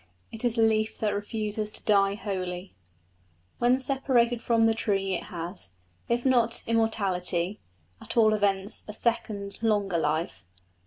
It is a leaf that refuses to die wholly. When separated from the tree it has, if not immortality, at all events a second, longer life.